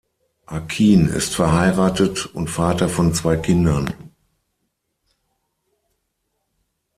Akin ist verheiratet und Vater von zwei Kindern.